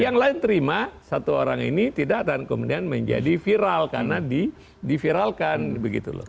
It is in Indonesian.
yang lain terima satu orang ini tidak dan kemudian menjadi viral karena diviralkan begitu loh